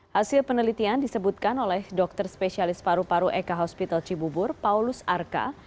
hasil penelitian disebutkan oleh dokter spesialis paru paru ek hospital cibubur paulus arka